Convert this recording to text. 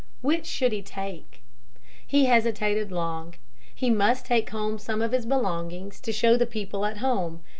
Which should he take? He hesitated long. He must take home some of his belongings to show the people at home.